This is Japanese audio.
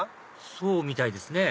そうみたいですね